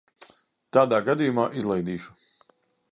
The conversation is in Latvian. Tādā gadījumā izlaidīšu.